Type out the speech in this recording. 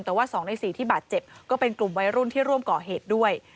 แต่ว่า๒ใน๔ที่บาดเจ็บก็เป็นกลุ่มวัยรุ่นที่ร่วมก่อเหตุด้วย